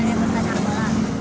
tidak pengen cari saja